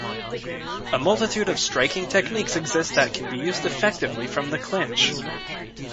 A multitude of striking techniques exist that can be used effectively from the clinch.